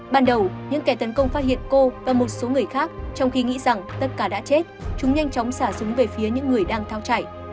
ban đầu những kẻ tấn công phát hiện cô và một số người khác trong khi nghĩ rằng tất cả đã chết chúng nhanh chóng xả súng về phía những người đang thao chạy